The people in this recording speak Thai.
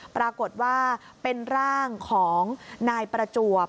ปรากฏว่าเป็นร่างของนายประจวบ